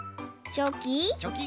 チョキ。